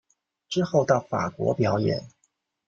之后到法国表演。